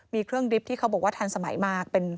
มีเครื่องดิบที่เขาบอกว่าทันสมัยมาก